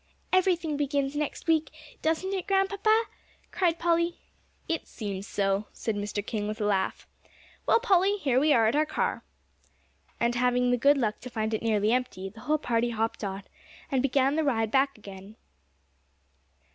"Everything begins next week, doesn't it, Grandpapa?" cried Polly. "It seems so," said Mr. King, with a laugh. "Well, Polly, here we are at our car." And having the good luck to find it nearly empty, the whole party hopped on, and began the ride back again.